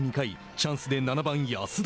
チャンスで７番安田。